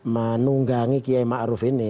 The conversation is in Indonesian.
menunggangi kiai ma'ruf ini